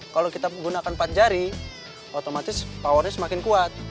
kalau kita gunakan empat jari otomatis powernya semakin kuat